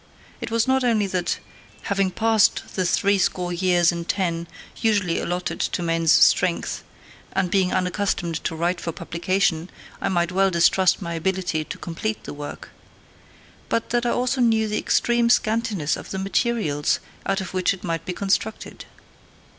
It was not only that, having passed the three score years and ten usually allotted to man's strength, and being unaccustomed to write for publication, I might well distrust my ability to complete the work, but that I also knew the extreme scantiness of the materials out of which it must be constructed.